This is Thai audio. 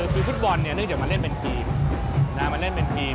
คือฟุตบอลนี่จะมาเล่นเป็นทีมมาเล่นเป็นทีม